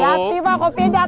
gati pak kopinya jatoh